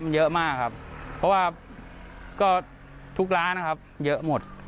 มันเยอะมากครับเพราะว่าก็ทุกร้านนะครับเยอะหมด